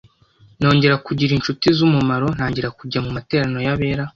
nongera kugira inshuti z’umumaro, ntangira kujya mu materaniro y’abera